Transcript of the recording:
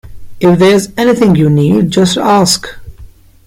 If there's anything you need, just ask